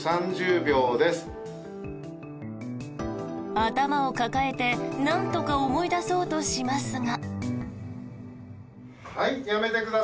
頭を抱えて、なんとか思い出そうとしますが。